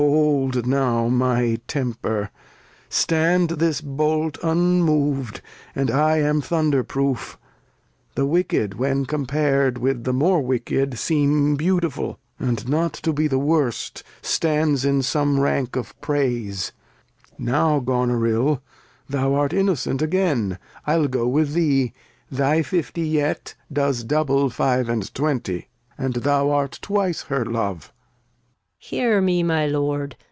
Hold now, my Temper, stand this Bolt un mov'd. And I am Thunder Proof ; The wicked, when compar'd with the more Wicked, Seem beautiful, and not to be the Worst, Stands in some Rank of Praise ; now, Goneril, Thou art Innocent agen, I'll go with thee ; Thy Fifty yet do's double Five and Twenty, And thou art twice her Love. Gon. Hear me, my Lord.